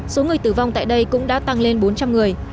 số người tử vong tại đây cũng đã tăng lên bốn trăm linh người